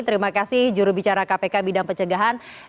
terima kasih juru bicara kpk bidang pencegahan